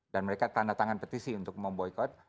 dan mereka tanda tangan petisi untuk memboykot